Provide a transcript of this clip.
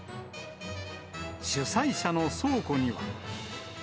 主催者の倉庫には。